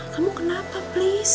kamu kenapa please